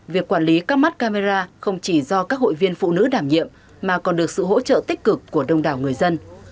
việc quản lý các mắt camera không chỉ do các hội viên phụ nữ đảm nhiệm mà còn được sự hỗ trợ tích cực của đông đảo người dân